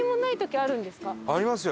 ありますよ。